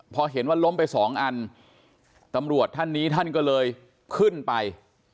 พอเห็นว่าล้มไปสองอันตำรวจท่านนี้ท่านก็เลยขึ้นไป